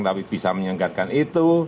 tapi bisa menyenggarkan itu